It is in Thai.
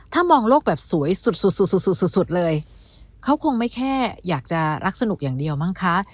ถ้ามองโลกแบบสวยสุดสุดเลยเขาคงไม่แค่อยากจะรักสนุกอย่างเดียวมั้งคะ